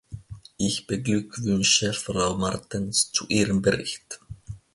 Ich beglückwünsche Frau Martens zu ihrem Bericht.